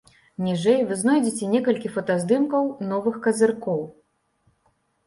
Ніжэй вы знойдзеце некалькі фотаздымкаў новых казыркоў.